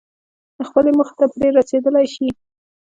نو خپلې موخې ته پرې رسېدلای شئ.